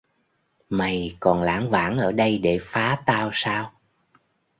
Mày còn lảng vảng ở đây để phá tao sao